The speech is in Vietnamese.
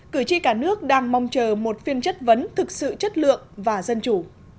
cử tri cả nước đang mong chờ một phiên chất vấn thực sự chất lượng và dân chủ